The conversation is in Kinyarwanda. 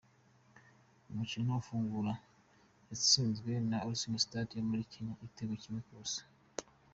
Umukino ufungura yatsinzwe na Ulinzi Stars yo muri Kenya igitego kimwe ku busa.